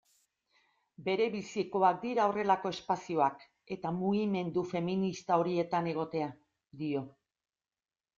Berebizikoak dira horrelako espazioak, eta mugimendu feminista horietan egotea, dio.